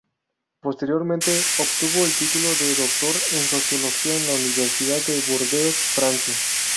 Posteriormente obtuvo el título de doctor en sociología en la Universidad de Burdeos, Francia.